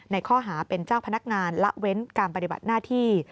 ในข้อหาเป็นเจ้าพนักงานละเว้นการปฏิบัติหน้าที่